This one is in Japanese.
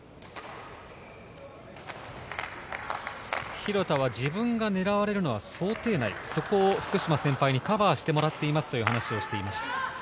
廣田は自分が狙われるのは想定内、そこを福島先輩にカバーしてもらっていますと話していました。